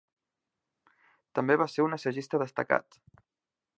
També va ser un assagista destacat.